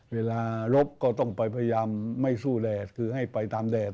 เวลาลบก็ต้องไปพยายามไม่สู้แดดคือให้ไปตามแดด